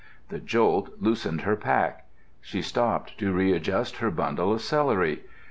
The jolt loosened her pack. She stopped to readjust her bundle of celery.